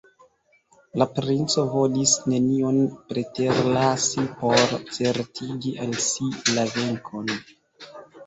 La princo volis nenion preterlasi por certigi al si la venkon.